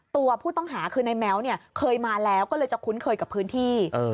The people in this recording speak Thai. ตัวผู้ต้องหาคือในแม้วเนี่ยเคยมาแล้วก็เลยจะคุ้นเคยกับพื้นที่